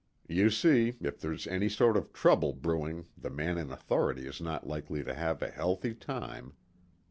You see, if there's any sort of trouble brewing the man in authority is not likely to have a healthy time.